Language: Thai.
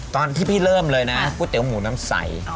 ตอนที่พี่เริ่มเลยนะก๋วยเตี๋หมูน้ำใส